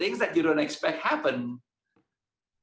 anda belajar anda melakukannya